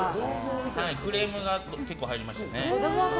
クレームが結構入りましたね。